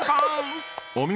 お見事。